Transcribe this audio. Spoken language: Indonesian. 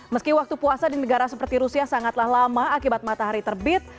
meski waktu puasa di negara seperti rusia sangatlah lama akibat matahari terbit